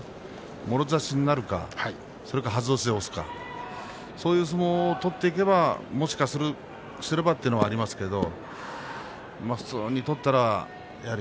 もろ差しになるかはず押しで押すかそういう相撲を取っていけばもしかすればというのはありますけれど。